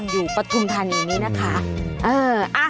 อยู่ประทุมฐานอย่างนี้นะคะ